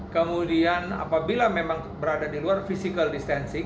kemudian apabila memang berada di luar physical distancing